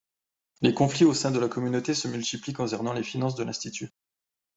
Les conflits au sein de la communauté se multiplient concernant les finances de l'Institut.